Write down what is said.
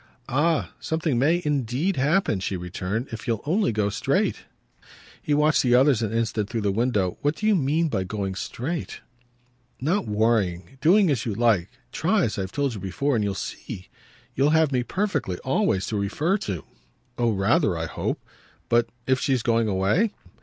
"Ah something MAY indeed happen," she returned, "if you'll only go straight!" He watched the others an instant through the window. "What do you mean by going straight?" "Not worrying. Doing as you like. Try, as I've told you before, and you'll see. You'll have me perfectly, always, to refer to." "Oh rather, I hope! But if she's going away?"